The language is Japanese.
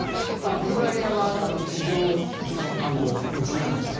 ブルガリアは地上の道なんですね。